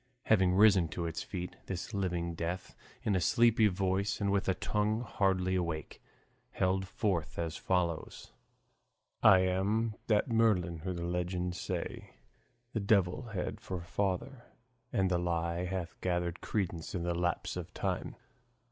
Having risen to its feet, this living death, in a sleepy voice and with a tongue hardly awake, held forth as follows: I am that Merlin who the legends say The devil had for father, and the lie Hath gathered credence with the lapse of time.